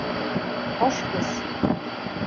Hoş kız.